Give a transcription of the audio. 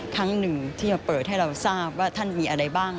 ครั้งหนึ่งที่จะเปิดให้เราทราบว่าท่านมีอะไรบ้าง